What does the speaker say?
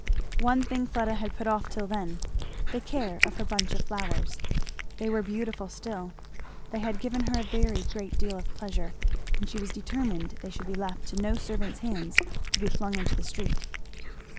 One thing Fleda had put off till then the care of her bunch of flowers. They were beautiful still. They had given her a very great deal of pleasure; and she was determined they should be left to no servant's hands to be flung into the street.